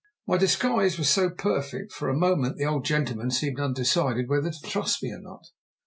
My disguise was so perfect that for a moment the old gentleman seemed undecided whether to trust me or not.